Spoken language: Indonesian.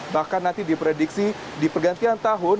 bahkan nanti diprediksi di pergantian tahun